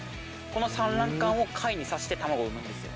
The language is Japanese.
この産卵管を貝にさして卵産むんですよ。